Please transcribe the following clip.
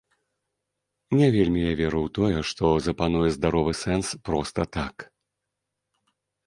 Не вельмі я веру ў тое, што запануе здаровы сэнс проста так.